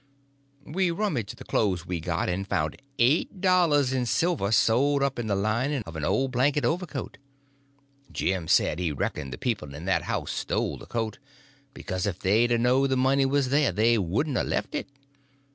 We rummaged the clothes we'd got, and found eight dollars in silver sewed up in the lining of an old blanket overcoat. Jim said he reckoned the people in that house stole the coat, because if they'd a knowed the money was there they wouldn't a left it.